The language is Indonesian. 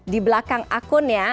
di belakang akunnya